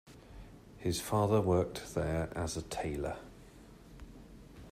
His father worked there as a tailor.